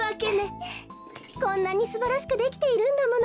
こんなにすばらしくできているんだもの。